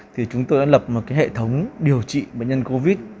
thì chúng tôi đã lập một cái hệ thống điều trị bệnh nhân covid